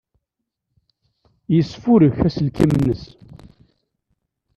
Yesfurek aselkim-nnes.